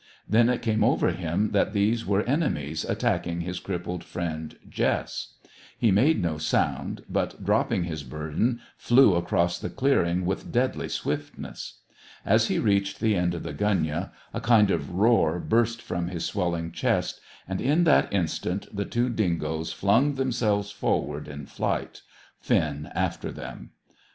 Then it came over him that these were enemies attacking his crippled friend Jess. He made no sound, but, dropping his burden, flew across the clearing with deadly swiftness. As he reached the end of the gunyah, a kind of roar burst from his swelling chest and, in that instant, the two dingoes flung themselves forward in flight, Finn after them.